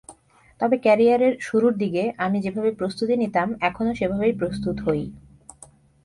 তবে ক্যারিয়ারের শুরুর দিকে আমি যেভাবে প্রস্তুতি নিতাম, এখনো সেভাবেই প্রস্তুত হই।